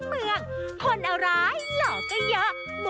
ครีมป่าที่จก